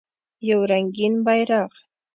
یو رنګین بیرغ